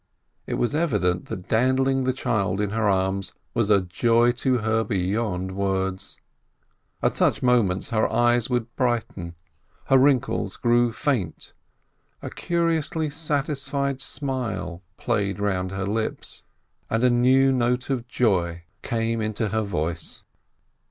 It was evident that dandling the child in her arms was a joy to her beyond words. At such moments her eyes would brighten, her wrinkles grew faint, a curiously satisfied smile played round her lips, and a new note of joy came into her voice.